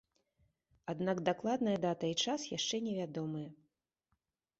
Аднак дакладная дата і час яшчэ невядомыя.